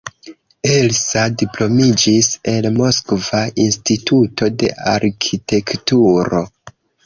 Elsa diplomiĝis el Moskva Instituto de Arkitekturo.